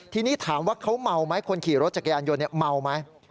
ทีนี้ถามว่าเขาเมาไหมคนขี่รถจักรยานยนต์เมาไหม